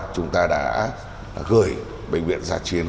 chúng ta đã gửi bệnh viện giã chiến